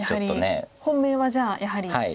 本命はじゃあやはりオサエを。